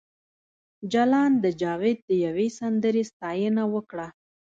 جلان د جاوید د یوې سندرې ستاینه وکړه